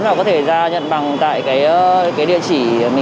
là có thể ra nhận bằng tại cái địa chỉ